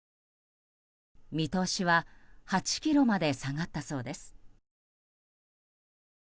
見通しは８ｋｍまで下がったそうです。